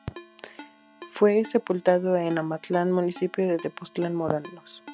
Fue sepultado en Amatlán, municipio de Tepoztlán, Morelos.